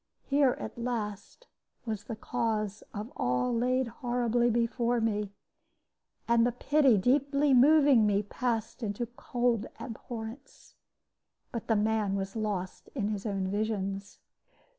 Here at last was the cause of all laid horribly before me; and the pity deeply moving me passed into cold abhorrence. But the man was lost in his own visions.